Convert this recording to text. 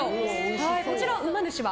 こちら、うま主は？